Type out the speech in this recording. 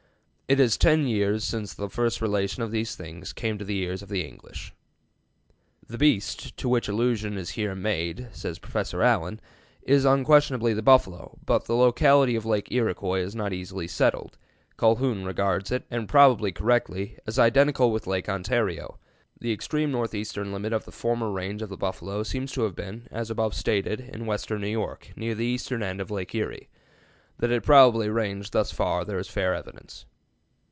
It is tenne yeares since first the relation of these things came to the eares of the English.' The 'beast' to which allusion is here made [says Professor Allen] is unquestionably the buffalo, but the locality of Lake 'Erocoise' is not so easily settled. Colhoun regards it, and probably correctly, as identical with Lake Ontario. The extreme northeastern limit of the former range of the buffalo seems to have been, as above stated, in western New York, near the eastern end of Lake Erie. That it probably ranged thus far there is fair evidence."